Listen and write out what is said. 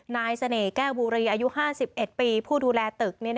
นายเสน่ห์แก้วบุรีอายุ๕๑ปีผู้ดูแลตึก